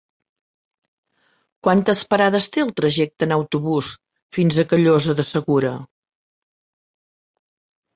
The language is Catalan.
Quantes parades té el trajecte en autobús fins a Callosa de Segura?